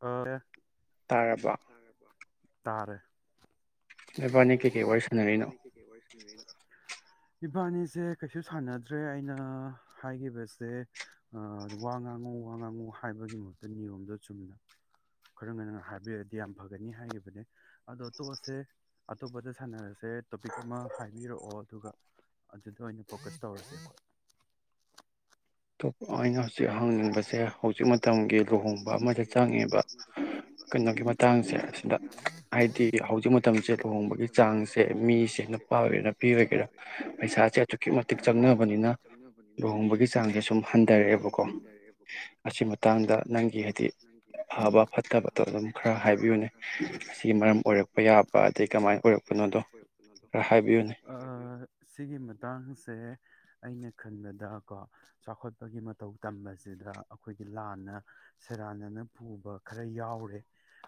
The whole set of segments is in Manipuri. [unintelligible] [unintelligible] ꯇꯥꯔꯦ ꯅꯕꯥꯅꯤ ꯀꯩꯀꯩ ꯋꯥꯔꯤ ꯁꯥꯟꯅꯔꯤꯅꯣ ꯏꯕꯥꯅꯤꯁꯦ ꯀꯩꯁꯨ ꯁꯥꯟꯅꯗ꯭ꯔꯦ ꯑꯩꯅ ꯍꯥꯏꯈꯤꯕꯁꯦ ꯋꯥ ꯉꯥꯡꯉꯨ ꯋꯥ ꯉꯥꯡꯉꯨ ꯍꯥꯏꯕꯒꯤ ꯃꯍꯨ ꯅꯤꯌꯣꯝꯗꯣ ꯆꯨꯝꯅ ꯈꯔ ꯉꯅ ꯍꯥꯏꯕꯤꯔꯗꯤ ꯌꯥꯝ ꯐꯒꯅꯤ ꯍꯥꯏꯈꯤꯕꯅꯦ ꯑꯗꯣ ꯇꯣꯞ ꯑꯁꯦ ꯑꯇꯣꯞꯄꯗ ꯁꯥꯟꯅꯔꯁꯦ ꯇꯣꯄꯤꯛ ꯑꯃ ꯍꯥꯏꯕꯤꯔꯛꯑꯣ ꯑꯗꯨꯒ ꯑꯗꯨꯗ ꯑꯣꯏꯅ ꯐꯣꯀꯁ ꯇꯧꯔꯁꯦꯀꯣ [unintelligible] ꯍꯪꯅꯤꯡꯕꯁꯦ ꯍꯧꯖꯤꯛ ꯃꯇꯝꯒꯤ ꯂꯨꯍꯣꯡꯕ ꯑꯃꯗ ꯆꯪꯉꯦꯕ ꯀꯩꯅꯣꯒꯤ ꯃꯇꯥꯡꯁꯦ ꯁꯤꯗ ꯍꯥꯏꯗꯤ ꯍꯧꯖꯤꯛ ꯃꯇꯝꯁꯦ ꯂꯨꯍꯣꯡꯕꯒꯤ ꯆꯥꯡꯁꯦ ꯃꯤꯁꯦ ꯅꯨꯄꯥ ꯑꯣꯏꯒꯦꯔ ꯅꯨꯄꯤ ꯑꯣꯏꯒꯦꯔꯥ ꯄꯩꯁꯥꯁꯦ ꯑꯗꯨꯛꯀꯤ ꯃꯇꯤꯛ ꯆꯪꯅꯕꯅꯤꯅ ꯂꯨꯍꯣꯡꯕꯒꯤ ꯁꯦ ꯁꯨꯝ ꯍꯟꯊꯔꯛꯑꯦꯕꯀꯣ ꯑꯩ ꯁꯤꯒꯤ ꯃꯇꯥꯡꯁꯦ ꯑꯩꯅ ꯈꯟꯕꯗ ꯀꯣ ꯆꯥꯎꯈꯠꯄꯒꯤ ꯃꯇꯧ ꯇꯝꯁꯦ ꯁꯤꯗ ꯑꯩꯈꯣꯏꯒꯤ ꯂꯥꯟꯅ ꯁꯦꯔꯥꯟꯅꯅ ꯄꯨꯕ ꯈꯔ ꯌꯥꯎꯔꯦ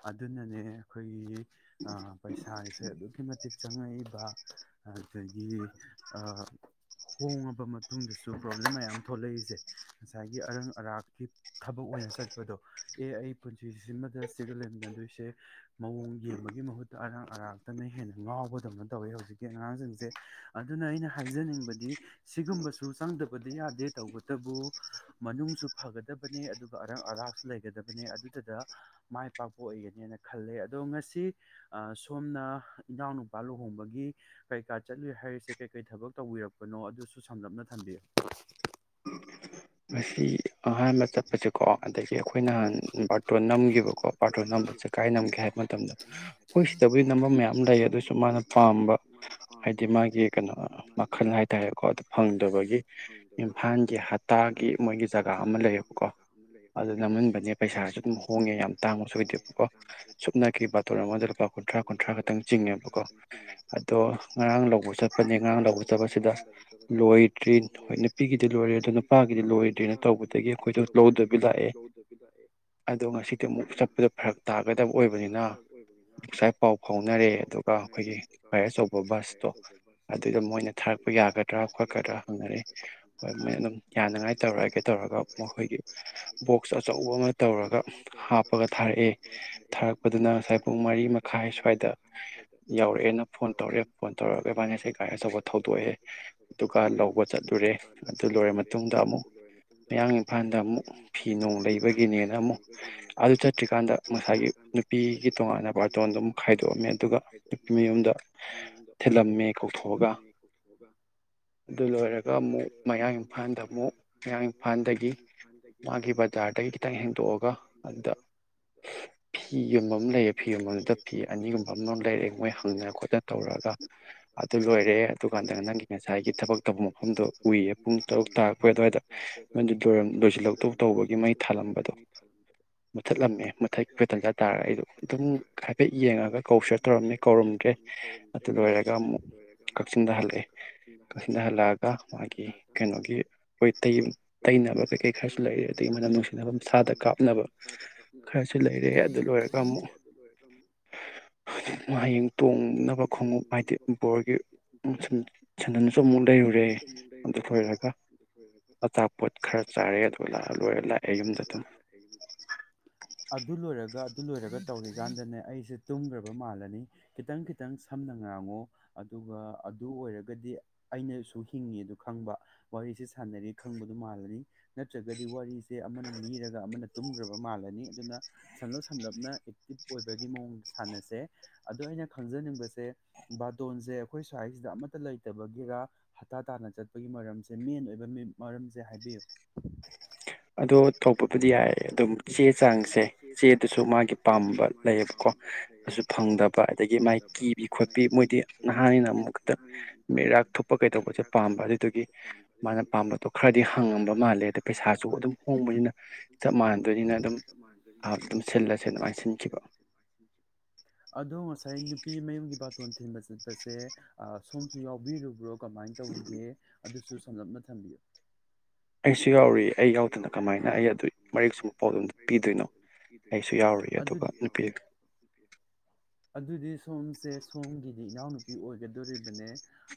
ꯑꯗꯨꯅꯅꯦ ꯑꯩꯈꯣꯏꯒꯤ ꯑ ꯄꯩꯁꯥꯁꯦ ꯑꯗꯨꯛꯀꯤ ꯃꯇꯤꯛ ꯆꯪꯉꯛꯏꯕ ꯑꯗꯒꯤ ꯍꯣꯡꯂꯕ ꯃꯇꯨꯡꯗꯁꯨ ꯄ꯭ꯔꯣꯕ꯭ꯂꯦꯝ ꯃꯌꯥꯝ ꯊꯣꯛꯂꯛꯏꯁꯦ ꯉꯁꯥꯏꯒꯤ ꯑꯔꯪ ꯑꯔꯥꯛꯀꯤ ꯊꯕꯛ ꯑꯣꯏꯅ ꯆꯠꯄꯗꯣ ꯑꯦ ꯑꯩ ꯄꯨꯟꯁꯤꯁꯤꯃꯗ ꯁꯤꯒ ꯂꯩꯃꯤꯟꯅꯗꯣꯏꯁꯦ ꯃꯑꯣꯡ ꯌꯦꯡꯕꯒꯤ ꯃꯍꯨꯠꯇ ꯑꯔꯥꯡ ꯑꯔꯥꯛꯇꯅ ꯍꯦꯟꯅ ꯉꯥꯎꯕꯗꯧꯅ ꯇꯧꯋꯦ ꯍꯧꯖꯤꯛꯀꯤ ꯑꯉꯥꯡꯁꯤꯡꯁꯦ ꯑꯗꯨꯅ ꯑꯩꯅ ꯍꯥꯏꯖꯅꯤꯡꯕꯗꯤ ꯁꯤꯒꯨꯝꯕꯁꯨ ꯆꯪꯗꯕꯗꯤ ꯌꯥꯗꯦ ꯇꯧꯕꯇꯕꯨ ꯃꯅꯨꯡꯁꯨ ꯐꯒꯗꯕꯅꯦ ꯑꯗꯨꯒ ꯑꯔꯥꯛꯁꯨ ꯂꯩꯒꯗꯕꯅꯦ ꯑꯗꯨꯗꯨꯗ ꯃꯥꯏ ꯄꯥꯛꯄ ꯑꯣꯏꯒꯅꯦꯅ ꯈꯜꯂꯦ ꯑꯗꯣ ꯉꯁꯤ ꯁꯣꯝꯅ ꯏꯅꯥꯎꯅꯨꯄꯥ ꯂꯨꯍꯣꯡꯕꯒꯤ ꯀꯩꯀꯥ ꯆꯠꯂꯨꯏ ꯍꯥꯏꯔꯤꯁꯦ ꯀꯩꯀꯩ ꯊꯕꯛ ꯇꯧꯕꯤꯔꯛꯄꯅꯣ ꯑꯗꯨꯁꯨ ꯁꯝꯂꯞꯅ ꯊꯝꯕꯤꯌꯨ ꯑꯍꯥꯟꯕ ꯆꯠꯄꯁꯦꯀꯣ ꯑꯗꯒꯤ ꯑꯩꯈꯣꯏ ꯅꯍꯥꯟ ꯕꯥꯔꯇꯣꯟ ꯅꯝꯈꯤꯕꯀꯣ ꯕꯥꯔꯇꯣꯟ ꯅꯝꯕꯁꯦ ꯀꯥꯏ ꯅꯝꯒꯦ ꯍꯥꯏꯕ ꯃꯇꯝꯗ ꯑꯩꯈꯣꯏ ꯁꯤꯗꯕꯨꯗꯤ ꯅꯝꯕ ꯃꯌꯥꯝ ꯂꯩ ꯑꯗꯨꯁꯨ ꯃꯥꯅ ꯄꯥꯝꯕ ꯍꯥꯏꯗꯤ ꯃꯥꯒꯤ ꯀꯩꯅꯣ ꯃꯈꯜ ꯍꯥꯏꯇꯥꯔꯦꯀꯣ ꯑꯗꯨ ꯐꯪꯗꯕꯒꯤ ꯏꯝꯐꯥꯜꯒꯤ ꯍꯇꯥꯒꯤ ꯃꯣꯏꯒꯤ ꯖꯒꯥ ꯑꯃ ꯂꯩꯌꯦꯕꯀꯣ ꯀꯣ ꯑꯗꯨ ꯅꯝꯍꯟꯕꯅꯦ ꯄꯩꯁꯥꯁꯨ ꯑꯗꯨꯝ ꯍꯣꯡꯉꯦ ꯌꯥꯝ ꯇꯥꯡꯕ ꯁꯣꯏꯗꯦꯕꯀꯣ ꯁꯨꯞꯅꯀꯤ ꯕꯥꯇꯣꯟ ꯑꯃꯗ ꯂꯨꯄꯥ ꯀꯨꯟꯊ꯭ꯔꯥ ꯀꯨꯟꯊ꯭ꯔꯥ ꯈꯛꯇꯪ ꯆꯤꯡꯉꯦꯕꯀꯣ ꯑꯗꯣ ꯉꯔꯥꯡ ꯂꯧꯕ ꯆꯠꯄꯅꯦ ꯉꯔꯥꯡ ꯂꯧꯕ ꯆꯠꯄꯁꯤꯗ ꯂꯣꯏꯗ꯭ꯔꯤ ꯍꯣꯏ ꯅꯨꯄꯤꯒꯤꯗꯤ ꯂꯣꯏꯔꯦ ꯑꯗꯣ ꯅꯨꯄꯥꯒꯤꯗꯤ ꯂꯣꯏꯗ꯭ꯔꯤ ꯅꯠꯇ ꯇꯧꯕꯗꯒꯤ ꯑꯩꯈꯣꯏꯁꯨ ꯂꯥꯛꯑꯦ ꯑꯗꯣ ꯉꯁꯤꯗꯤ ꯑꯃꯨꯛ ꯆꯠꯄꯗ ꯐꯔꯛ ꯇꯥꯒꯗꯕ ꯑꯣꯏꯕꯅꯤꯅ ꯉꯁꯥꯏ ꯄꯥꯎ ꯐꯥꯎꯅꯔꯦ ꯑꯗꯨꯒ ꯑꯩꯈꯣꯏꯒꯤ ꯈ꯭ꯋꯥꯏ ꯑꯆꯧꯕ ꯕꯁꯇꯣ ꯑꯗꯨꯗ ꯃꯣꯏꯅ ꯊꯥꯔꯛꯄ ꯌꯥꯒꯗ꯭ꯔꯥ ꯈꯣꯠꯀꯗ꯭ꯔꯥ ꯍꯪꯅꯔꯦ ꯍꯣꯏ ꯃꯣꯏ ꯑꯗꯨꯝ ꯌꯥꯅꯉꯥꯏ ꯇꯧꯔꯛꯑꯒꯦ ꯃꯈꯣꯏꯒꯤ ꯕꯣꯛꯁ ꯑꯆꯧꯕ ꯑꯃ ꯇꯧꯔꯒ ꯍꯥꯞꯄꯒ ꯊꯥꯔꯛꯑꯦ ꯊꯥꯔꯛꯄꯗꯨꯅ ꯉꯁꯥꯏ ꯄꯨꯡ ꯃꯔꯤ ꯃꯈꯥꯏ ꯁ꯭ꯋꯥꯏꯗ ꯌꯧꯔꯛꯑꯦꯅ ꯐꯣꯟ ꯇꯧꯔꯛꯑꯦ ꯐꯣꯟ ꯇꯧꯔꯛꯒ ꯏꯕꯥꯅꯤ ꯉꯁꯥꯏ ꯒꯥꯔꯤ ꯑꯆꯧꯕ ꯊꯧꯗꯣꯛꯑꯦ ꯑꯗꯨꯒ ꯂꯧꯕ ꯆꯠꯂꯨꯔꯦ ꯑꯗꯨ ꯂꯣꯏꯔ ꯃꯇꯨꯡꯗ ꯑꯃꯨꯛ ꯃꯌꯥꯡ ꯏꯝꯐꯜꯗ ꯑꯃꯨꯛ ꯑꯃꯨꯛ ꯐꯤ ꯅꯣꯡ ꯂꯩꯕꯒꯤꯅꯦꯅ ꯑꯃꯨꯛ ꯑꯗꯨ ꯆꯠꯇ꯭ꯔꯤꯀꯥꯟꯗ ꯉꯁꯥꯏꯒꯤ ꯅꯨꯄꯤꯒꯤ ꯇꯣꯉꯥꯟꯅ ꯕꯥꯔꯇꯣꯟꯗꯣ ꯑꯃꯨꯛ ꯈꯥꯏꯗꯣꯛꯑꯝꯃꯦ ꯑꯗꯨꯒ ꯅꯨꯄꯤ ꯃꯌꯨꯝꯗ ꯊꯤꯂꯝꯃꯦ ꯀꯣꯛꯊꯣꯛꯑꯒ ꯑꯗꯨ ꯂꯣꯏꯔꯒ ꯑꯃꯨꯛ ꯃꯌꯥꯡ ꯏꯝꯐꯥꯜꯗ ꯑꯃꯨꯛ ꯃꯌꯥꯡ [unintelligible] ꯃꯥꯒꯤ ꯕꯖꯥꯔꯗꯒꯤ ꯈꯤꯇꯪ ꯍꯦꯟꯗꯣꯛꯑꯒ ꯑꯗꯨꯗ ꯐꯤ ꯌꯣꯟꯕ ꯑꯃ ꯂꯩꯌꯦ ꯐꯤ ꯌꯣꯟꯕꯗꯨꯗ ꯐꯤ ꯑꯅꯤꯒꯨꯝꯕ ꯑꯃ ꯂꯩꯔꯛꯑꯦ ꯃꯣꯏ ꯍꯪꯅ ꯈꯣꯠꯅ ꯇꯧꯔꯒ ꯑꯗꯨ ꯂꯣꯏꯔꯛꯑꯦ ꯑꯗꯨ ꯀꯥꯟꯗ ꯅꯪꯒꯤ ꯉꯁꯥꯏꯒꯤ ꯊꯕꯛ ꯇꯧꯕ ꯃꯐꯝꯗꯣ ꯎꯏꯌꯦ ꯄꯨꯡ ꯇꯔꯨꯛ ꯇꯥꯔꯛꯄꯒꯤ ꯑꯗꯨꯋꯥꯏꯗ ꯑꯣꯗꯤꯇꯣꯔꯤꯎꯝ ꯂꯣꯏꯁꯤꯜ ꯂꯧ ꯇꯧ ꯇꯧꯕꯒꯤ ꯃꯩ ꯊꯥꯜꯂꯝꯕꯗꯣ ꯃꯨꯊꯠꯂꯝꯃꯦ ꯃꯨꯊꯛꯈꯣꯏ ꯇꯟꯖꯥ ꯇꯥꯔꯒ ꯑꯩꯗꯣ ꯑꯗꯨꯝ ꯍꯥꯏꯐꯦꯠ ꯌꯦꯡꯉꯒ ꯀꯧꯁꯔ ꯇꯧꯔꯝꯃꯦ ꯀꯧꯔꯝꯗ꯭ꯔꯦ ꯑꯗꯨ ꯂꯣꯏꯔꯒ ꯑꯃꯨꯛ ꯀꯛꯆꯤꯡꯗ ꯍꯜꯂꯛꯑꯦ ꯀꯛꯆꯤꯡꯗ ꯍꯜꯂꯛꯑꯒ ꯃꯥꯒꯤ ꯀꯩꯅꯣꯒꯤ ꯑꯩꯇꯩ ꯇꯩꯅꯕ ꯀꯩ ꯂꯩꯔꯦ ꯑꯗꯒꯤ ꯃꯅꯝ ꯅꯨꯡꯁꯤꯅꯕ ꯃꯁꯥꯗ ꯀꯥꯞꯅꯕ ꯈꯔꯁꯨ ꯂꯩꯔꯦ ꯑꯗꯨ ꯂꯣꯏꯔꯒ ꯑꯃꯨꯛ ꯍꯌꯦꯡ ꯇꯣꯡꯅꯕ ꯈꯣꯡꯎꯞ ꯍꯥꯏꯗꯤ ꯕꯣꯔꯒꯤ ꯁꯟꯗꯟꯁꯨ ꯑꯃꯨꯛ ꯂꯩꯔꯨꯔꯦ ꯑꯗꯨ ꯂꯣꯏꯔꯒ ꯑꯆꯥ ꯑꯗꯨ ꯂꯣꯏꯔꯒ ꯑꯗꯨ ꯂꯣꯏꯔꯒ ꯇꯧꯔꯤꯀꯥꯟꯗꯅꯦ ꯑꯩꯁꯦ ꯇꯨꯝꯈ꯭ꯔꯕ ꯃꯥꯜꯂꯅꯤ ꯈꯤꯇꯪ ꯈꯤꯇꯪ ꯁꯝꯅ ꯉꯥꯡꯉꯣ ꯑꯗꯨꯒ ꯑꯗꯨ ꯑꯣꯏꯔꯒꯗꯤ ꯑꯩꯅꯁꯨ ꯍꯤꯡꯉꯦꯗꯣ ꯈꯪꯕ ꯋꯥꯔꯤꯁꯦ ꯁꯥꯟꯅꯔꯤ ꯈꯪꯕꯗꯨ ꯃꯥꯜꯂꯅꯤ ꯅꯠꯇ꯭ꯔꯒꯗꯤ ꯋꯥꯔꯤꯁꯦ ꯑꯃꯅ ꯂꯤꯔꯒ ꯑꯃꯅ ꯇꯨꯝꯈ꯭ꯔꯕ ꯃꯥꯜꯂꯅꯤ ꯑꯗꯨꯅ ꯁꯝꯂꯞ ꯁꯝꯂꯞꯅ ꯑꯦꯛꯇꯤꯚ ꯑꯣꯏꯕꯒꯤ ꯃꯑꯣꯡ ꯁꯥꯟꯅꯁꯦ ꯑꯗꯣ ꯑꯩꯅ ꯈꯪꯖꯅꯤꯡꯕꯁꯦ ꯕꯥꯇꯣꯟꯁꯦ ꯑꯩꯈꯣꯏ ꯁ꯭ꯋꯥꯏꯁꯤꯗ ꯑꯃꯠꯇ ꯂꯩꯇꯕꯒꯤꯔ ꯍꯇꯥ ꯇꯥꯅ ꯆꯠꯄꯒꯤ ꯃꯔꯝꯁꯦ ꯃꯦꯟ ꯑꯣꯏꯕ ꯃꯤ ꯃꯔꯝꯁꯦ ꯍꯥꯏꯕꯤꯌꯨ ꯑꯗꯣ ꯊꯣꯛꯄꯕꯨꯗꯤ ꯌꯥꯏ ꯑꯗꯨꯝ ꯆꯦ ꯆꯥꯡꯁꯦ ꯆꯦꯗꯁꯨ ꯃꯥꯒꯤ ꯄꯥꯝꯕ ꯂꯩꯌꯦꯕꯀꯣ ꯑꯗꯨꯁꯨ ꯐꯪꯗꯕ ꯑꯗꯒꯤ ꯃꯥꯥꯏ ꯀꯤꯕꯤ ꯈꯣꯠꯄꯤ ꯃꯣꯏꯗꯤ ꯅꯍꯥꯟꯅ ꯑꯃꯨꯛꯛꯇꯪ ꯃꯤꯔꯥꯛ ꯊꯣꯛꯄ ꯀꯩꯗꯧꯕꯁꯦ ꯄꯥꯝꯕ ꯑꯗꯨꯗꯨꯒꯤ ꯃꯥꯅ ꯄꯥꯝꯕꯗꯣ ꯈꯔꯗꯤ ꯍꯪꯉꯝꯕ ꯃꯥꯜꯂꯦ ꯑꯗ ꯄꯩꯁꯥ ꯑꯗꯨꯝ ꯍꯣꯡꯕꯅꯤꯅ ꯑꯗꯣ ꯉꯁꯥꯏ ꯅꯨꯄꯤ ꯃꯌꯨꯝꯒꯤ ꯕꯥꯔ ꯇꯣꯟ ꯊꯤꯟꯕ ꯆꯠꯄꯁꯦ ꯁꯣꯝꯁꯨ ꯌꯥꯎꯕꯤꯔꯨꯕ꯭ꯔꯣ ꯀꯃꯥꯏꯅ ꯇꯧꯒꯦ ꯑꯗꯨꯁꯨ ꯁꯝꯂꯞꯅ ꯊꯝꯕꯤꯌꯨ ꯑꯩꯁꯨ ꯌꯥꯎꯔꯤ ꯑꯩ ꯌꯥꯎꯗꯅ ꯀꯃꯥꯏꯅ ꯑꯩ ꯑꯗꯨꯏ ꯃꯔꯤꯛ ꯁꯨꯝꯕ ꯄꯥꯎꯗꯝ ꯄꯤꯗꯣꯏꯅꯣ ꯑꯩꯁꯨ ꯌꯥꯎꯔꯤ ꯑꯗꯨꯒ ꯅꯨꯄꯤ ꯁꯣꯝꯁꯦ ꯁꯣꯝꯒꯤꯗꯤ ꯏꯅꯥꯎꯅꯨꯄꯤ ꯑꯣꯏꯒꯗꯣꯔꯤꯕꯅꯦ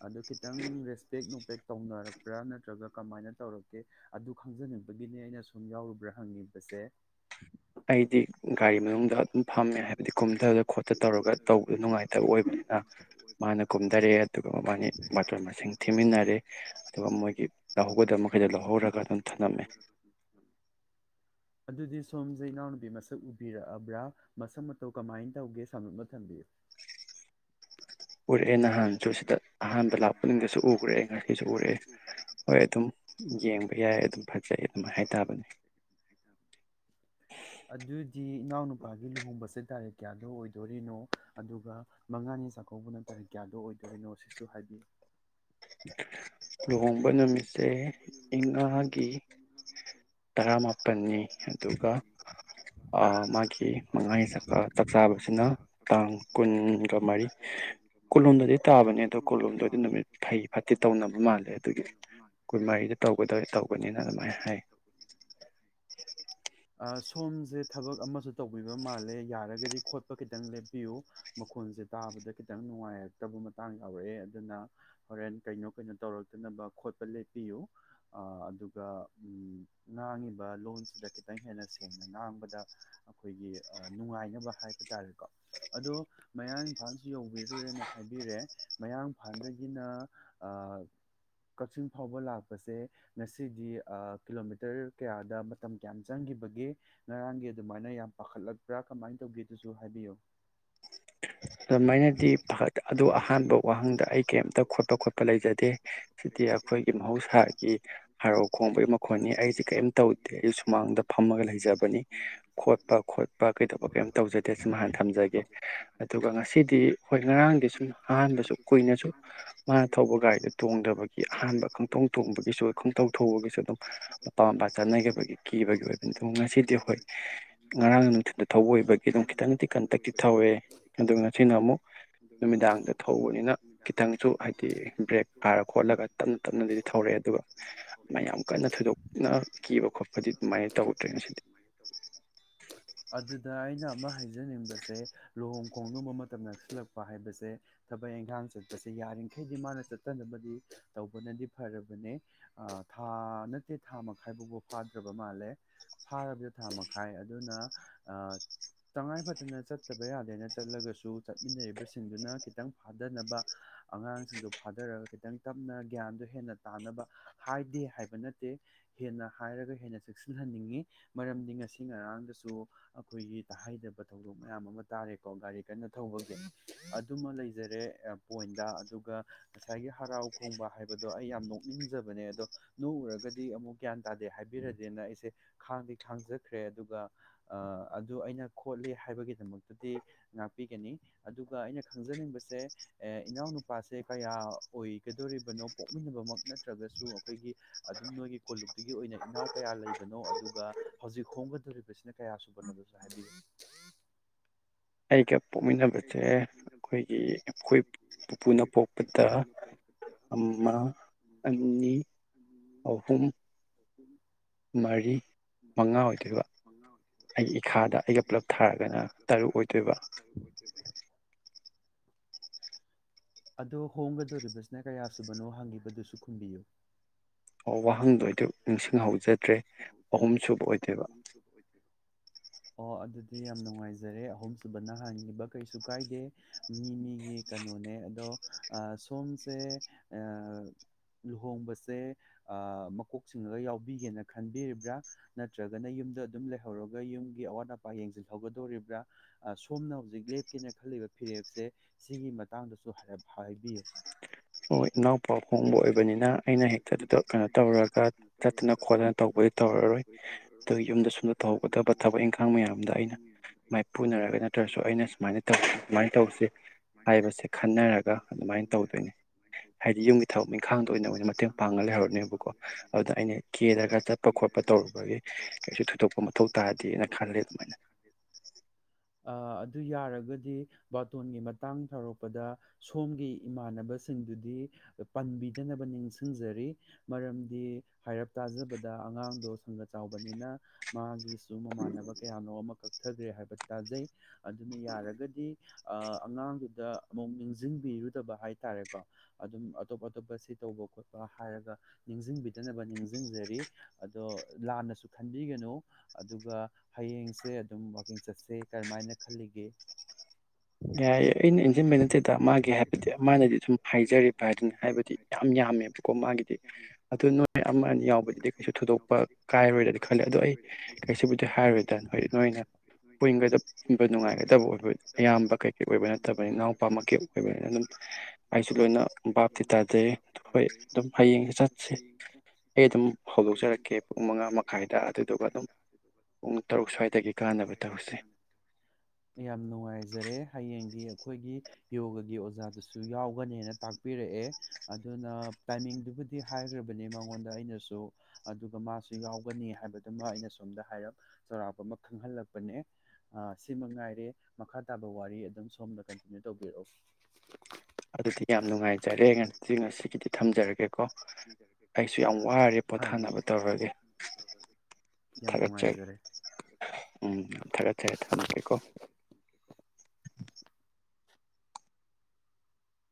ꯑꯗꯨ ꯈꯤꯇꯪ ꯔꯦꯁꯄꯦꯛ ꯅꯨꯡ ꯕꯦꯛ ꯇꯧꯅꯔꯛꯄ꯭ꯔꯥ ꯅꯠꯇ꯭ꯔꯒ ꯀꯃꯥꯏꯅ ꯇꯧꯔꯛꯀꯦ ꯑꯗꯨ ꯈꯪꯖꯅꯤꯡꯕꯒꯤꯅꯦ ꯑꯩꯅ ꯁꯨ ꯁꯨꯝ ꯌꯥꯎꯔꯨꯕ꯭ꯔꯥ ꯍꯪꯉꯤꯕꯁꯦ ꯑꯩꯗꯤ ꯒꯥꯔꯤ ꯃꯅꯨꯡꯗ ꯑꯗꯨꯝ ꯐꯝꯃꯦ ꯍꯥꯏꯕꯗꯤ ꯀꯨꯝꯊꯗ ꯈꯣꯠꯊ ꯇꯧꯔꯒ ꯇꯧꯕꯗ ꯅꯨꯡꯉꯥꯏꯇꯕ ꯑꯣꯏꯕꯅꯤꯅ ꯃꯥꯅ ꯀꯨꯝꯊꯔꯦ ꯑꯗꯨꯒ ꯃꯥꯅꯤ ꯕꯥꯔꯇꯣꯟ ꯃꯁꯤꯡ ꯊꯤꯃꯤꯟꯅꯔꯦ ꯑꯗꯨꯒ ꯃꯣꯏꯒꯤ ꯂꯧꯍꯧꯒꯗꯕ ꯃꯈꯩꯗꯣ ꯂꯧꯍꯧꯔꯒ ꯑꯗꯨꯝ ꯊꯝꯂꯝꯃꯦ ꯑꯗꯨꯗꯤ ꯁꯣꯝꯁꯦ ꯏꯅꯥꯎꯅꯨꯄꯤ ꯃꯁꯛ ꯎꯕꯤꯔꯛꯑꯕ꯭ꯔꯥ ꯃꯁꯛ ꯃꯇꯧ ꯀꯃꯥꯏꯅ ꯇꯧꯒꯦ ꯁꯝꯂꯞꯅ ꯊꯝꯕꯤꯌꯨ ꯎꯔꯛꯑꯦ ꯅꯍꯥꯟ ꯑꯗꯨꯗꯤ ꯏꯅꯥꯎꯅꯨ ꯅꯨꯄꯥꯒꯤ ꯂꯨꯍꯣꯡꯕꯁꯦ ꯇꯥꯔꯤꯛ ꯀꯌꯥꯗꯣ ꯑꯣꯏꯗꯣꯔꯤꯅꯣ ꯑꯗꯨꯒ ꯃꯉꯥꯅꯤ ꯆꯥꯛꯀꯧꯕꯅ ꯇꯥꯔꯤꯛ ꯀꯌꯥꯗꯣ ꯑꯣꯏꯗꯣꯔꯤꯅꯣ ꯁꯤꯁꯨ ꯍꯥꯏꯕꯤꯌꯨ ꯂꯨꯍꯣꯡꯕ ꯅꯨꯃꯤꯠꯁꯦ ꯏꯉꯥꯒꯤ ꯇꯔꯥꯃꯥꯄꯜꯅꯤ ꯑꯗꯨꯒ ꯃꯥꯒꯤ ꯃꯉꯥꯅꯤ ꯆꯥꯛꯆꯥꯥꯕꯁꯤꯅ ꯇꯥꯡ ꯀꯨꯟꯒꯃꯔꯤ ꯀꯨꯟꯍꯨꯝꯗꯣꯏꯗꯩ ꯇꯥ ꯇꯥꯕꯅꯦ ꯑꯗꯣ ꯀꯨꯟꯍꯨꯝꯗꯣꯏꯗꯣ ꯅꯨꯃꯤꯠ ꯐꯩ ꯐꯠꯇꯦ ꯀꯤ ꯇꯧꯅꯕ ꯃꯥꯜꯂꯦ ꯑꯗꯨꯒꯤ ꯀꯨꯟꯃꯔꯤꯗ ꯇꯧꯒꯗꯣꯏ ꯇꯧꯒꯅꯤꯅ ꯑꯗꯨꯃꯥꯏꯅ ꯍꯥꯏ ꯁꯣꯝꯁꯦ ꯊꯕꯛ ꯑꯃꯁꯨ ꯇꯧꯕꯤꯕ ꯃꯥꯜꯂꯦ ꯌꯥꯔꯒꯗꯤ ꯈꯣꯠꯄ ꯈꯤꯇꯪ ꯂꯦꯞꯄꯤꯌꯨ ꯃꯈꯣꯟꯁꯦ ꯇꯥꯕꯗ ꯈꯤꯇꯪ ꯅꯨꯡꯉꯥꯏꯔꯛꯇꯕ ꯃꯇꯥꯡ ꯌꯥꯎꯔꯛꯑꯦ ꯑꯗꯨꯅ ꯍꯣꯔꯦꯟ ꯀꯩꯅꯣ ꯀꯩꯅꯣ ꯇꯧꯔꯛꯇꯅꯕ ꯈꯣꯠꯄ ꯂꯦꯞꯄꯤꯌꯨ ꯑꯗꯨꯒ ꯉꯥꯡꯉꯤꯕ ꯂꯣꯟꯁꯤꯗ ꯈꯤꯇꯪ ꯍꯦꯟꯅ ꯁꯦꯡꯅ ꯉꯥꯡꯕꯗ ꯑꯩꯈꯣꯏꯒꯤ ꯅꯨꯡꯉꯥꯏꯅꯕ ꯍꯥꯏꯕ ꯇꯥꯔꯦꯀꯣ ꯑꯗꯣ ꯃꯌꯥꯡ ꯏꯝꯐꯥꯜꯁꯨ ꯌꯧꯕꯤꯔꯨꯔꯦꯅ ꯍꯥꯏꯕꯤꯔꯦ ꯃꯌꯥꯡꯏꯝꯐꯥꯜꯗꯒꯤꯅ ꯀꯛꯆꯤꯡ ꯐꯥꯎꯕ ꯂꯥꯛꯄꯁꯦ ꯉꯁꯤꯗꯤ ꯀꯤꯂꯣꯃꯤꯇꯔ ꯀꯌꯥꯗ ꯃꯇꯝ ꯀꯌꯥꯝ ꯆꯪꯈꯤꯕꯒꯦ ꯉꯔꯥꯡꯒꯤ ꯑꯗꯨꯃꯥꯏꯅ ꯌꯥꯝ ꯄꯥꯈꯠꯂꯛꯄ꯭ꯔꯥ ꯀꯃꯥꯏꯅ ꯇꯧꯒꯦ ꯑꯗꯨꯁꯨ ꯍꯥꯏꯕꯤꯌꯨ ꯑꯗꯨꯃꯥꯏꯅꯗꯤ ꯐꯗ ꯑꯗꯨꯗ ꯑꯍꯥꯟꯕ ꯋꯥꯍꯪꯗ ꯑꯩ ꯀꯩꯝꯇ ꯈꯣꯠꯄ ꯈꯣꯠꯄ ꯂꯩꯖꯗꯦ ꯁꯤꯗꯤ ꯑꯩꯈꯣꯏꯒꯤ ꯃꯍꯧꯁꯥꯒꯤ ꯍꯥꯔꯥꯎ ꯈꯣꯡꯕꯒꯤ ꯃꯈꯣꯟꯅꯤ ꯑꯩꯁꯦ ꯀꯔꯤꯝ ꯇꯧꯗꯦ ꯑꯩ ꯁꯨꯃꯥꯡꯗ ꯐꯝꯃꯒ ꯂꯩꯖꯕꯅꯤ ꯈꯣꯠꯄ ꯈꯣꯠꯄ ꯀꯩꯗꯧꯕ ꯀꯔꯤꯝ ꯇꯧꯖꯗꯦ ꯁꯤꯃ ꯍꯥꯟꯅ ꯊꯝꯖꯒꯦ ꯑꯗꯨꯒ ꯉꯁꯤꯗꯤ ꯍꯣꯏ ꯉꯔꯥꯡꯗꯤ ꯁꯨꯝ ꯑꯍꯥꯟꯕꯁꯨ ꯀꯨꯏꯅꯁꯨ ꯃꯥꯅ ꯊꯧꯕ ꯒꯥꯔꯤꯗ ꯇꯣꯡꯗꯕꯒꯤ ꯑꯍꯥꯟꯕ ꯈꯣꯡꯇꯣꯡ ꯊꯣꯡꯕꯒꯤꯁꯨ ꯈꯪꯊꯧ ꯊꯧꯕꯒꯤꯁꯨ ꯑꯗꯨꯝ ꯃꯄꯥ ꯃꯄꯥ ꯆꯥꯅꯈꯤꯕꯒꯤ ꯀꯤꯕꯒꯤ ꯑꯣꯏꯕꯅꯤ ꯑꯗꯨ ꯉꯁꯤꯗꯤ ꯑꯩꯈꯣꯏ ꯉꯔꯥꯡ ꯅꯨꯡꯊꯤꯗ ꯊꯧꯕ ꯑꯣꯏꯕꯒꯤ ꯑꯗꯨꯝ ꯈꯤꯇꯪꯗꯤ ꯀꯟꯇꯛꯇꯤ ꯊꯧꯋꯦ ꯑꯗꯨꯒ ꯉꯁꯤꯅ ꯑꯃꯨꯛ ꯅꯨꯃꯤꯗꯥꯡꯗ ꯊꯣꯛ ꯍꯧꯕꯅꯤꯅ ꯈꯤꯇꯪꯁꯨ ꯍꯥꯏꯗꯤ ꯕ꯭ꯔꯦꯛ ꯀꯥꯔ ꯈꯣꯠꯂꯒ ꯇꯞꯅ ꯇꯞꯅꯗꯤꯗꯤ ꯊꯧꯔꯛꯑꯦ ꯑꯗꯨꯒ ꯃꯌꯥꯝ ꯀꯟꯅ ꯊꯣꯏꯗꯣꯛꯅ ꯀꯤꯕ ꯈꯣꯠꯄꯗꯤ ꯑꯗꯨꯃꯥꯏꯅ ꯇꯧꯗ꯭ꯔꯦ ꯉꯁꯤꯗꯤ ꯑꯩꯅ ꯑꯃ ꯍꯥꯏꯖꯅꯤꯡꯕꯁꯦ ꯂꯨꯍꯣꯡ ꯈꯣꯡꯗꯣꯡꯕ ꯃꯇꯝ ꯅꯛꯁꯤꯜꯂꯛꯄ ꯍꯥꯏꯕꯁꯦ ꯊꯕꯛ ꯏꯪꯈꯥꯡ ꯆꯠꯄꯁꯦ ꯌꯥꯔꯤꯈꯩꯗꯤ ꯃꯥꯅ ꯆꯠꯇꯅꯕꯗꯤ ꯇꯧꯕꯅꯗꯤ ꯐꯔꯕꯅꯦ ꯊꯥ ꯅꯠꯇꯦ ꯊꯥ ꯃꯈꯥꯏ ꯐꯥꯎꯕ ꯐꯥꯗ꯭ꯔꯕ ꯃꯥꯜꯂꯦ ꯐꯥꯔꯕꯗ ꯊꯥ ꯃꯈꯥꯏ ꯑꯗꯨꯅ ꯇꯉꯥꯏ ꯐꯗꯅ ꯆꯠꯇꯕ ꯌꯥꯗꯦꯅ ꯆꯠꯂꯒꯁꯨ ꯆꯠꯃꯤꯟꯅꯔꯤꯕꯁꯤꯡꯗꯨꯅ ꯈꯤꯇꯪ ꯐꯥꯗꯅꯕ ꯑꯉꯥꯡꯁꯤꯡꯗꯣ ꯐꯥꯊꯔꯒ ꯈꯤꯇꯪ ꯇꯞꯅ ꯒ꯭ꯌꯥꯟꯗꯣ ꯍꯦꯟꯅ ꯇꯥꯅꯕ ꯍꯥꯏꯗꯦ ꯍꯥꯏꯕ ꯅꯠꯇꯦ ꯍꯦꯟꯅ ꯍꯥꯏꯔꯒ ꯍꯦꯟꯅ ꯆꯦꯛꯁꯤꯟꯍꯟꯅꯤꯡꯉꯤ ꯃꯔꯝꯗꯤ ꯉꯁꯤ ꯉꯔꯥꯡꯗꯁꯨ ꯑꯩꯈꯣꯏꯒꯤ ꯇꯥꯍꯩꯗꯕ ꯊꯧꯗꯣꯛ ꯃꯌꯥꯝ ꯑꯃ ꯇꯥꯔꯦꯀꯣ ꯒꯥꯔꯤ ꯀꯟꯅ ꯊꯧꯕꯒꯤ ꯑꯗꯨꯃ ꯂꯩ ꯄꯖꯔꯦ ꯄꯣꯏꯟꯗ ꯑꯗꯨꯒ ꯉꯁꯥꯏꯒꯤ ꯍꯔꯥꯎ ꯈꯣꯡꯕ ꯍꯥꯏꯕꯗꯣ ꯑꯩ ꯌꯥꯝ ꯅꯣꯛꯅꯤꯡꯖꯕꯅꯦ ꯑꯗꯣ ꯅꯣꯛꯎꯔꯒꯗꯤ ꯑꯃꯨꯛ ꯒ꯭ꯌꯥꯟ ꯇꯥꯗꯦ ꯍꯥꯏꯕꯤꯔꯗꯦꯅ ꯑꯩꯁꯦ ꯈꯥꯡꯗꯤ ꯈꯥꯡꯖꯈ꯭ꯔꯦ ꯑꯗꯨꯒ ꯑꯗꯨ ꯑꯩꯅ ꯈꯣꯠꯂꯦ ꯍꯥꯏꯕꯒꯤꯗꯃꯛꯇꯗꯤ ꯉꯥꯛꯄꯤꯒꯅꯤ ꯑꯗꯨꯒ ꯑꯩꯅ ꯈꯪꯖꯅꯤꯡꯕꯁꯦ ꯁꯦ ꯏꯅꯥꯎꯅꯨꯄꯥꯁꯦ ꯀꯌꯥ ꯑꯣꯏꯒꯗꯣꯔꯤꯕꯅꯣ ꯄꯣꯛꯃꯤꯟꯅꯕꯃꯛ ꯅꯠꯇ꯭ꯔꯒꯁꯨ ꯑꯩꯈꯣꯏꯒꯤ ꯑꯗꯨꯝ ꯅꯣꯏꯒꯤ ꯀꯣꯜꯂꯨꯞꯇꯒꯤ ꯑꯣꯏꯅ ꯏꯅꯥꯎ ꯀꯌꯥ ꯂꯩꯕꯅꯣ ꯑꯗꯨꯒ ꯍꯧꯖꯤꯛ ꯍꯣꯡꯒꯗꯣꯔꯤꯕꯁꯤꯅ ꯀꯌꯥ ꯁꯨꯕꯅꯣꯗꯁꯨ ꯍꯥꯏꯕꯤꯌꯨ ꯇꯤꯀꯦꯠ ꯄꯣꯛꯃꯤꯟꯅꯕꯁꯦ ꯑꯩꯈꯣꯏꯒꯤ ꯑꯩꯈꯣꯏ ꯄꯨꯄꯨꯅ ꯄꯣꯛꯄꯗ ꯑꯃ ꯑꯅꯤ ꯑꯍꯨꯝ ꯎꯝ ꯃꯔꯤ ꯃꯉꯥ ꯑꯣꯏꯗꯣꯏꯕ ꯑꯩꯒꯤ ꯏꯈꯥꯗ ꯑꯩꯒ ꯄꯨꯂꯞ ꯊꯥꯔꯒꯅ ꯇꯔꯨꯛ ꯑꯣꯏꯗꯣꯏꯕ [inaudible] ꯑꯗꯣ ꯍꯣꯡꯒꯗꯣꯔꯤꯕꯁꯤꯅ ꯀꯌꯥ ꯁꯨꯕꯅꯣ ꯍꯪꯈꯤꯕꯗꯨꯁꯨ ꯈꯨꯝꯕꯤꯌꯨ ꯑꯣ ꯋꯥꯍꯪꯗꯣ [unintelligible] ꯋꯥꯍꯪ ꯅꯤꯡꯁꯤꯡꯍꯧꯖꯗ꯭ꯔꯦ ꯑꯍꯨꯝꯁꯨꯕ ꯑꯣꯏꯗꯅ ꯑꯣ ꯑꯗꯨꯗꯤ ꯌꯥꯝ ꯅꯨꯡꯉꯥꯏꯖꯔꯦ ꯑꯍꯨꯝꯁꯨꯨꯕꯅ ꯍꯟꯈꯤꯕ ꯀꯩꯁꯨ ꯀꯥꯏꯗꯦ ꯃꯤ ꯃꯤꯒꯤ ꯀꯩꯅꯣꯅꯦ ꯑꯗꯣ ꯁꯣꯝꯁꯦ ꯑꯥ ꯂꯨꯍꯣꯡꯕꯁꯦ ꯃꯀꯣꯛ ꯆꯤꯡꯉꯒ ꯌꯥꯎꯕꯤꯒꯦꯅ ꯈꯟꯕꯤꯔꯤꯕ꯭ꯔꯥ ꯅꯠꯇ꯭ꯔꯒꯅ ꯌꯨꯝꯗ ꯑꯗꯨꯝ ꯂꯩꯍꯧꯔꯒ ꯌꯨꯝꯒꯤ ꯑꯋꯥꯠ ꯑꯄꯥ ꯌꯦꯡꯁꯤꯟꯍꯧꯒꯗꯣꯔꯤꯕ꯭ꯔꯥ ꯁꯣꯝꯅ ꯍꯧꯖꯤꯛ ꯂꯦꯞꯀꯦꯅ ꯈꯜꯂꯤꯕ ꯐꯤꯔꯦꯞꯁꯦ ꯁꯤꯒꯤ ꯃꯇꯥꯡꯗꯁꯨ ꯍꯥꯏꯔꯞ ꯍꯥꯏꯕꯤꯌꯨ ꯑꯣ ꯏꯅꯥꯎꯄꯥ ꯍꯣꯡꯕ ꯑꯣꯏꯕꯅꯤꯅ ꯑꯩꯅ ꯍꯦꯛꯇ ꯑꯗꯨꯗ ꯀꯩꯅꯣ ꯇꯧꯔꯒ ꯆꯠꯇꯅ ꯈꯣꯠꯇꯅ ꯇꯧꯕꯗꯤ ꯇꯧꯔꯔꯣꯏ ꯑꯗꯨ ꯌꯨꯝꯗ ꯁꯨꯝꯗ ꯇꯧꯍꯧꯒꯗꯕ ꯊꯕꯛ ꯏꯪꯈꯥꯡ ꯃꯌꯥꯝꯗ ꯑꯩꯅ ꯃꯥꯏꯄꯨꯅꯔꯒ ꯅꯠꯇ꯭ꯔꯁꯨ ꯑꯩꯅ ꯁꯨꯃꯥꯏꯅ ꯇꯧ ꯁꯃꯥꯏꯅ ꯇꯧꯁꯤ ꯍꯥꯏꯕꯁꯦ ꯈꯟꯅꯔꯒ ꯑꯗꯨꯃꯥꯏꯅ ꯇꯧꯗꯣꯏꯅꯤ ꯍꯥꯏꯗꯤ ꯌꯨꯝꯒꯤ ꯊꯕꯛ ꯏꯟꯈꯥꯡꯗ ꯑꯣꯏꯅ ꯑꯣꯏꯅ ꯃꯇꯦꯡ ꯄꯥꯡꯉꯒ ꯂꯩꯍꯔꯕꯅꯦꯕꯀꯣ ꯑꯗꯨꯗ ꯑꯩꯅ ꯀꯦꯔꯒ ꯆꯠꯄ ꯈꯣꯠꯄ ꯇꯧꯔꯨꯕꯒꯤ ꯀꯩꯁꯨ ꯊꯣꯏꯗꯣꯛꯄ ꯃꯊꯧ ꯇꯥꯔꯗꯦꯅ ꯈꯜꯂꯦ ꯑꯗꯨꯃꯥꯏꯅ ꯑꯗꯨ ꯌꯥꯔꯒꯗꯤ ꯕꯥꯔꯇꯣꯟꯒꯤ ꯃꯇꯥꯡ ꯇꯧꯔꯛꯄꯗ ꯁꯣꯝꯒꯤ ꯏꯃꯥꯟꯅꯕꯁꯤꯡꯗꯨꯗꯤ ꯄꯟꯕꯤꯗꯅꯕ ꯅꯤꯡꯁꯤꯡꯖꯔꯤ ꯃꯔꯝꯗꯤ ꯍꯥꯏꯔꯞ ꯇꯥꯖꯕꯗ ꯑꯉꯥꯡꯗꯣ ꯁꯪꯒ ꯆꯥꯎꯕꯅꯤꯅ ꯃꯥꯒꯤ ꯁ ꯃꯃꯥꯟꯅꯕ ꯀꯌꯥꯅꯣ ꯑꯃ ꯀꯛꯊꯈ꯭ꯔꯦ ꯍꯥꯏꯕ ꯇꯥꯖꯩ ꯑꯗꯨꯅ ꯌꯥꯔꯒꯗꯤ ꯑꯉꯥꯡꯗꯨꯗ ꯑꯃꯨꯛ ꯅꯤꯡꯁꯤꯡꯕꯤꯔꯨꯗꯕ ꯍꯥꯏꯇꯥꯔꯦꯀꯣ ꯑꯗꯨꯝ ꯑꯇꯣꯞ ꯑꯇꯣꯞꯄ ꯁꯤ ꯇꯧꯕ ꯈꯣꯠꯄ ꯍꯥꯏꯔꯒ ꯅꯤꯡꯁꯤꯡꯕꯤ ꯐꯖꯅꯕ ꯅꯤꯡꯁꯤꯡꯖꯔꯤ ꯑꯗꯣ ꯂꯥꯟꯅꯁꯨ ꯈꯟꯕꯤꯒꯅꯨ ꯑꯗꯨꯒ ꯍꯌꯦꯡꯁꯦ ꯑꯗꯨꯝ ꯋꯥꯀꯤꯡ ꯆꯠꯁꯦ ꯀꯔꯝꯍꯥꯏꯅ ꯈꯜꯂꯤꯒꯦ ꯌꯥꯏꯌꯦ ꯑꯩꯅ ꯏꯟꯖꯤꯟꯕ ꯅꯠꯇꯦꯗ ꯃꯥꯒꯤ ꯍꯥꯏꯕꯗꯤ ꯃꯥꯅꯗꯤ ꯁꯨꯝ ꯍꯥꯏꯖꯔꯤꯕ ꯍꯥꯏꯗꯨꯅꯤ ꯍꯥꯏꯕꯗꯤ ꯌꯥꯝ ꯌꯥꯝꯃꯦꯕꯀꯣ ꯃꯥꯒꯤꯗꯤ ꯑꯗꯨ ꯅꯣꯏ ꯑꯃ ꯑꯅꯤ ꯌꯥꯎꯕꯗꯨꯗꯤ ꯀꯩꯁꯨ ꯊꯣꯏꯗꯣꯛꯄ ꯀꯥꯏꯔꯣꯏꯗꯅ ꯈꯜꯂꯦ ꯑꯗꯣ ꯑꯩ ꯀꯩꯁꯤꯕꯨꯗꯤ ꯍꯥꯏꯔꯣꯏꯗꯅ ꯅꯣꯏ ꯅꯣꯏꯅ ꯄꯨꯟꯕ ꯄꯨꯟꯕꯗ ꯅꯨꯡꯉꯥꯏꯒꯗꯕ ꯑꯣꯏꯕ ꯑꯌꯥꯝꯕ ꯀꯩꯀꯩ ꯑꯣꯏꯕ ꯅꯠꯇꯕꯅꯤ ꯏꯅꯥꯎꯄꯥꯃꯛꯀꯤ ꯑꯣꯏꯕꯅꯤꯅ ꯑꯗꯨꯝ ꯑꯩꯁꯨ ꯂꯣꯏꯅ ꯚꯥꯞꯇꯤ ꯇꯥꯖꯩ ꯍꯣꯏ ꯑꯗꯨꯝ ꯍꯌꯦꯡ ꯆꯠꯁꯤ ꯑꯩ ꯑꯗꯨꯝ ꯍꯧꯗꯣꯛꯆꯔꯛꯀꯦ ꯄꯨꯡ ꯃꯉꯥ ꯃꯈꯥꯏꯗ ꯑꯗꯨꯗꯨꯒ ꯑꯗꯨꯝ ꯄꯨꯡ ꯇꯔꯨꯛ ꯁ꯭ꯋꯥꯏꯗꯒꯤ ꯀꯥꯅꯕ ꯇꯧꯁꯦ ꯌꯥꯝ ꯅꯨꯡꯉꯥꯏꯖꯔꯦ ꯍꯌꯦꯡꯗꯤ ꯑꯩꯈꯣꯏꯒꯤ ꯌꯣꯒꯒꯤ ꯑꯣꯖꯥꯗꯨꯁꯨ ꯌꯥꯎꯒꯅꯦꯅ ꯇꯥꯛꯄꯤꯔꯛꯑꯦ ꯑꯗꯨꯅ ꯇꯥꯏꯃꯤꯡꯗꯨꯕꯨꯗꯤ ꯍꯥꯏꯈ꯭ꯔꯕꯅꯤ ꯑꯩꯉꯣꯟꯗ ꯑꯩꯅꯁꯨ ꯑꯗꯨꯒ ꯃꯥꯁꯨ ꯌꯥꯎꯒꯅꯤ ꯍꯥꯏꯕꯗꯨꯃ ꯑꯩꯅ ꯁꯣꯝꯗ ꯍꯥꯏꯔꯞ ꯆꯥꯎꯔꯥꯛꯄ ꯑꯃ ꯈꯪꯍꯜꯂꯛꯄꯅꯦ ꯁꯤꯃꯛ ꯉꯥꯏꯔꯦ ꯃꯈꯥ ꯇꯥꯕ ꯋꯥꯔꯤ ꯑꯗꯨꯝ ꯁꯣꯝꯗ ꯀꯟꯇꯤꯅ꯭ꯌꯨ ꯇꯧꯕꯤꯔꯛꯑꯣ ꯑꯗꯨꯗꯤ ꯌꯥꯝ ꯅꯨꯡꯉꯥꯏꯖꯔꯦ ꯉ ꯉꯁꯤꯒꯤꯗꯤ ꯊꯝꯖꯔꯒꯦꯀꯣ ꯑꯩꯁꯨ ꯌꯥꯝ ꯋꯥꯔꯦ ꯄꯣꯊꯥꯅꯕ ꯇꯧꯔꯒꯦ ꯊꯥꯒꯠꯆꯔꯤ ꯎꯝ ꯊꯥꯒꯠꯆꯔꯤ ꯊꯝꯃꯒꯦꯀꯣ